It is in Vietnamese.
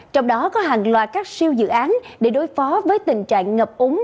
trong đó có hàng loạt các siêu dự án để đối phó với tình trạng ngập úng